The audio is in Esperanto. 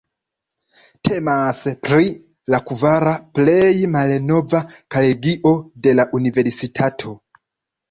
Temas pri la kvara plej malnova kolegio de la Universitato.